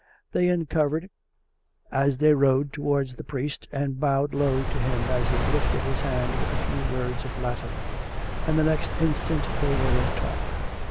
They uncovered as they rode towards the priest, and bowed low to him as he lifted his hand with a few words of Latin; and the next instant they were in talk.